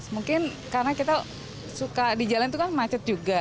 mungkin karena kita suka di jalan itu kan macet juga